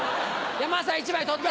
山田さん１枚取って。